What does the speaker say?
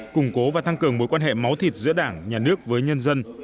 củng cố và thăng cường mối quan hệ máu thịt giữa đảng nhà nước với nhân dân